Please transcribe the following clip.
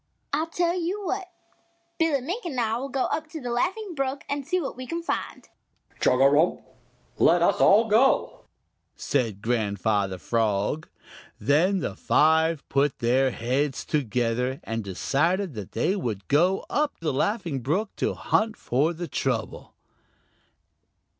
"I tell you what, Billy Mink and I will go way up the Laughing Brook and see what we can find." "Chugarum! Let us all go," said Grandfather Frog. Then the five put their heads together and decided that they would go up the Laughing Brook to hunt for the trouble.